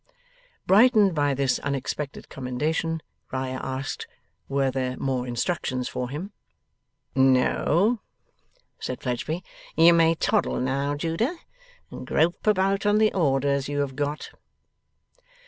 Brightened by this unexpected commendation, Riah asked were there more instructions for him? 'No,' said Fledgeby, 'you may toddle now, Judah, and grope about on the orders you have got.